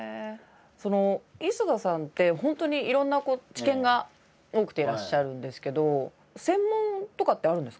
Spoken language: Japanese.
磯田さんって本当にいろんな知見が多くていらっしゃるんですけど専門とかってあるんですか？